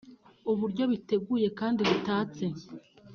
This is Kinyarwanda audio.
uburyo biteguye kandi bitatse